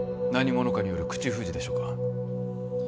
何者かによる口封じでしょうか？